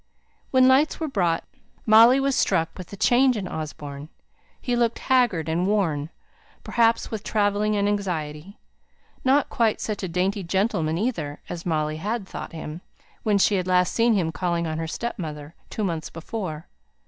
When lights were brought, Molly was struck with the change in Osborne. He looked haggard and worn; perhaps with travelling and anxiety. Not quite such a dainty gentleman either, as Molly had thought him, when she had last seen him calling on her stepmother, two months before.